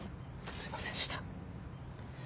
すいませんでした。